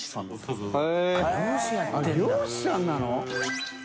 あっ漁師さんなの？